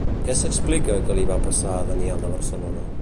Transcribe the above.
Què s'explica que li va passar a Daniel de Barcelona?